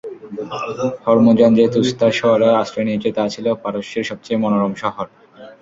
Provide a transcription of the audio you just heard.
Hormuzan যে তুসতার শহরে আশ্রয় নিয়েছে, তা ছিল পারস্যের সবচেয়ে মনোেরম শহর।